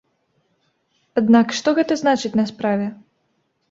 Аднак што гэта значыць на справе?